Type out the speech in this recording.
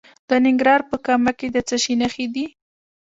د ننګرهار په کامه کې د څه شي نښې دي؟